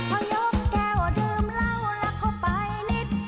พอยกแก้วดื่มเหล้าแล้วเข้าไปนิด